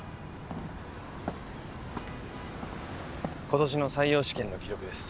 今年の採用試験の記録です。